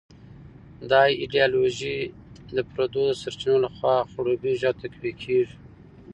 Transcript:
دا ایډیالوژي د پردو د سرچینو لخوا خړوبېږي او تقویه کېږي.